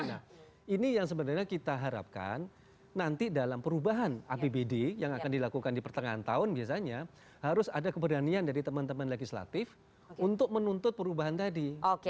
nah ini yang sebenarnya kita harapkan nanti dalam perubahan apbd yang akan dilakukan di pertengahan tahun biasanya harus ada keberanian dari teman teman legislatif untuk menuntut perubahan tadi